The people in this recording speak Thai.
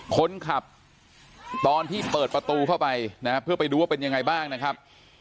คนที่เปิดประตูเข้าไปนะฮะเพื่อไปดูว่าเป็นยังไงบ้างนะครับ